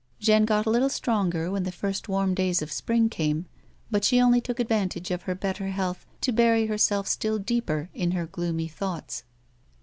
Jeanne got a little stronger when the first warm days of spring came, but she only took advantage of her better health to buiy herself still deeper in her gloomy thoughts.